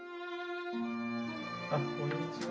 あっこんにちは。